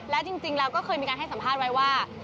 แล้วจริงแล้วก็เคยมีการให้สัมภาษณ์ไว้ว่า